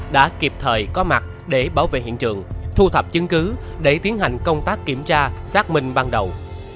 đã kịp thời có mặt để bảo vệ hiện trường thu thập chứng cứ để tiến hành công tác kiểm tra xác minh ban đầu